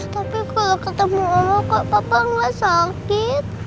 tapi kalau ketemu sama kak papa gak sakit